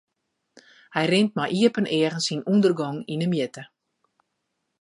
Hy rint mei iepen eagen syn ûndergong yn 'e mjitte.